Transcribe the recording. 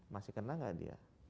masih kena gak dia